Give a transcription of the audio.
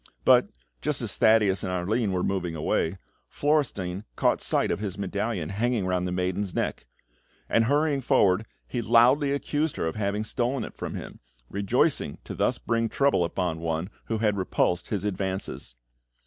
But just as Thaddeus and Arline were moving away, Florestein caught sight of his medallion hanging round the maiden's neck; and hurrying forward, he loudly accused her of having stolen it from him, rejoicing to thus bring trouble upon one who had repulsed his advances.